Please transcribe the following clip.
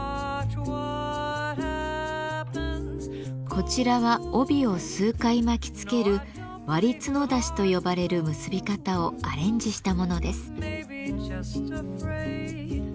こちらは帯を数回巻きつける「割角出し」と呼ばれる結び方をアレンジしたものです。